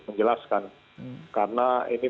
menjelaskan karena ini